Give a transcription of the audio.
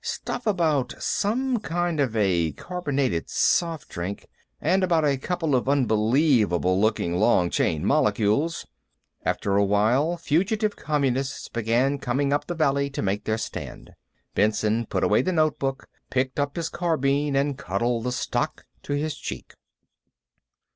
Stuff about some kind of a carbonated soft drink, and about a couple of unbelievable looking long chain molecules.... After a while, fugitive Communists began coming up the valley to make their stand. Benson put away the notebook, picked up his carbine, and cuddled the stock to his cheek....